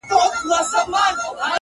زه چي لـه چــــا سـره خبـري كـوم”